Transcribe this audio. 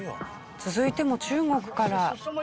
続いても中国から。